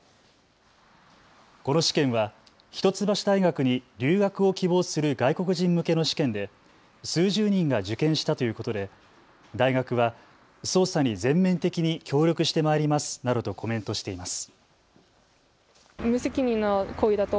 この試験は一橋大学に留学を希望する外国人向けの試験で数十人が受験したということで大学は捜査に全面的に協力してまいりますなどとコメントしています。